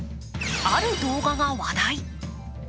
ある動画が話題。